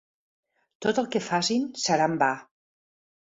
Tot el que facin serà en va.